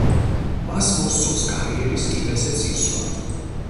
მას მოსწონს კარიერის კიბეზე წინსვლა.